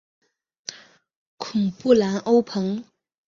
孔布兰欧蓬。